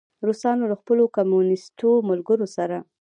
روسانو له خپلو کمونیسټو ملګرو سره.